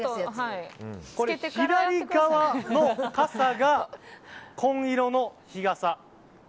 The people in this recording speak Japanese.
左側の傘が紺色の日傘。